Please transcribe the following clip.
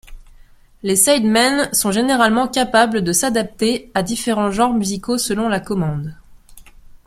Les sidemen sont généralement capables de s'adapter à différents genres musicaux selon la commande.